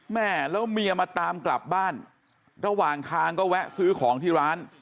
แม่แล้วเมียมาตามกลับบ้านระหว่างทางก็แวะซื้อของที่ร้าน